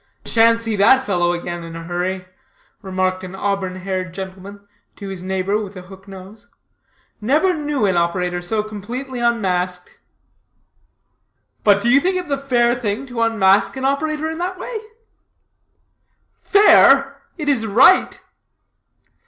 "Sha'n't see that fellow again in a hurry," remarked an auburn haired gentleman, to his neighbor with a hook nose. "Never knew an operator so completely unmasked." "But do you think it the fair thing to unmask an operator that way?" "Fair? It is right."